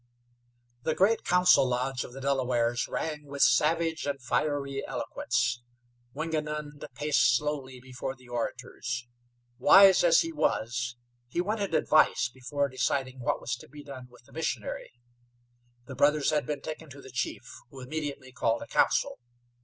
The great council lodge of the Delawares rang with savage and fiery eloquence. Wingenund paced slowly before the orators. Wise as he was, he wanted advice before deciding what was to be done with the missionary. The brothers had been taken to the chief, who immediately called a council.